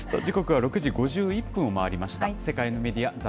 時刻は６時５１分を回りました。